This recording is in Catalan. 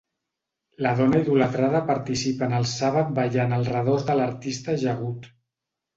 La dona idolatrada participa en el Sàbat ballant al redós de l'artista ajagut.